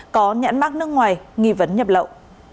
có nhãn mắc nước ngoài nghi vấn nhập lậu